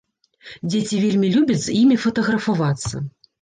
Дзеці вельмі любяць з імі фатаграфавацца.